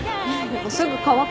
すぐ乾くよ。